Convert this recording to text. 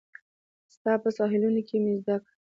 ستا په ساحلونو کې مې زده کړه